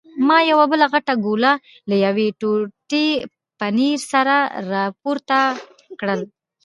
ما یوه بله غټه ګوله له یوې ټوټې پنیر سره راپورته کړل.